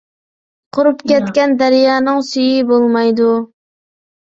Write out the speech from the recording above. قۇرۇپ كەتكەن دەريانىڭ سۈيى بولمايدۇ.